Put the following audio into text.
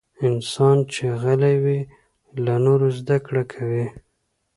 انسان چې غلی وي، له نورو زدکړه کوي.